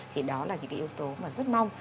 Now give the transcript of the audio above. thì đó là những yếu tố mà rất mong